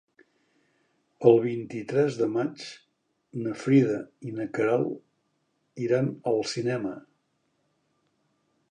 El vint-i-tres de maig na Frida i na Queralt iran al cinema.